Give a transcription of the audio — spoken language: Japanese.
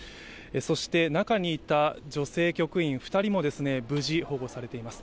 そして中にいた女性局員２人も無事、保護されています。